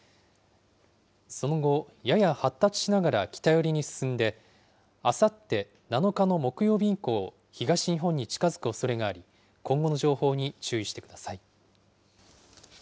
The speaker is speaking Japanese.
その後、やや発達しながら北寄りに進んで、あさって７日の木曜日以降、東日本に近づくおそれがあり、今後の情報に注意してください。